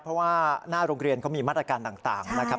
เพราะว่าหน้าโรงเรียนเขามีมาตรการต่างนะครับ